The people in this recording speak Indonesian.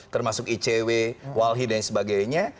termasuk icw walhi dan sebagainya